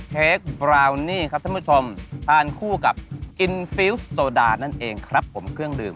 เทคบราวนี่ครับท่านผู้ชมทานคู่กับนั่นเองครับผมเครื่องดื่ม